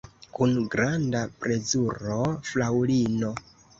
Kun granda plezuro, fraŭlino!